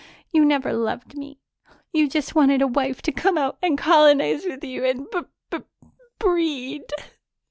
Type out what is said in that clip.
You never loved me; you just wanted a wife to come out and colonize with you and b b breed."